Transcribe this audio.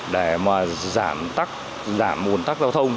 để mà giảm mùn tắc giao thông